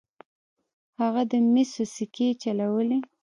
هغه د مسو سکې چلولې.